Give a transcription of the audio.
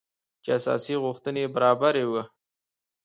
چې اساسي غوښتنې يې برابري وه .